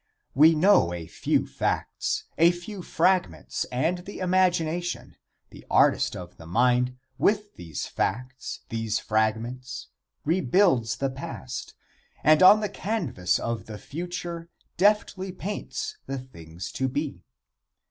We know a few facts, a few fragments, and the imagination, the artist of the mind, with these facts, these fragments, rebuilds the past, and on the canvas of the future deftly paints the things to be.